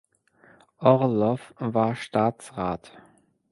Orlow war Staatsrat.